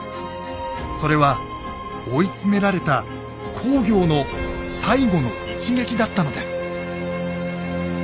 それは追い詰められた公暁の最後の一撃だったのです。